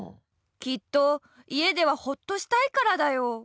きっと家ではほっとしたいからだよ。